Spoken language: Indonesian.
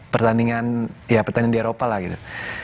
pertandingan ya pertandingan di eropa lah gitu